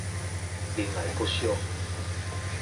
仁愛國小